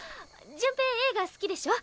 潤平映画好きでしょ？